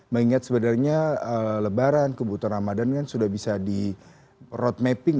mengingat sebenarnya lebaran kebutuhan ramadan kan sudah bisa di roadmapping